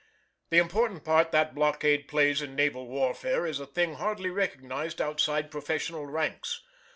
The important part that blockade plays in naval warfare is a thing hardly recognised outside professional ranks.